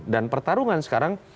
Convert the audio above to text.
dan pertarungan sekarang